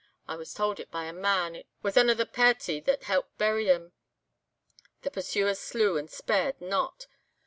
I was tauld it by a man, was ane of the pairty that helped bury them. The pursuers slew and spared not.